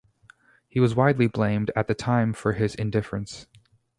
He was widely blamed at the time for his indifference.